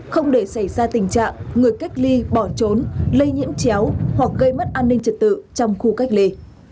không để xảy ra tình trạng người cách ly bỏ trốn lây nhiễm chéo hoặc gây mất an ninh trật tự trong khu cách ly